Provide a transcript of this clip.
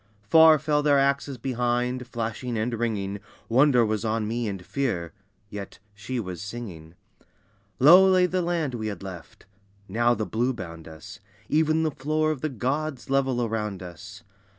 Far fell their axes behind, flashing and ringing, Wonder was on me and fear, yet she was singing. Low lay the land we had left. Now the blue bound us, Even the Floor of the Gods level around us.